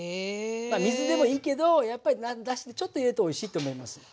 まあ水でもいいけどやっぱりだしでちょっと入れるとおいしいと思います。